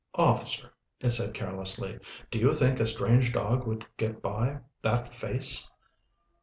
"Officer," it said carelessly, "do you think a strange dog would get by that face?"